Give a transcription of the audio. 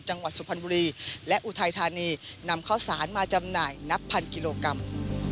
จังหวัดสุพรรณบุรีและอุทัยธานีนำข้าวสารมาจำหน่ายนับพันกิโลกรัม